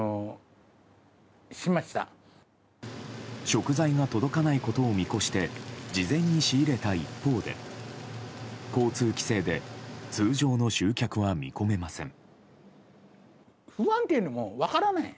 食材が届かないことを見越して事前に仕入れた一方で交通規制で通常の集客は見込めません。